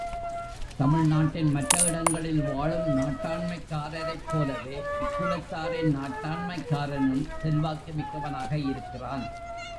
தமிழ் நாட்டின் மற்ற இடங்களில் வாழும் நாட்டாண்மைக்காரரைப் போலவே, இக்குலத்தாரின் நாட்டாண்மைக்காரனும் செல்வாக்கு மிக்கவனாக இருக்கிறான்.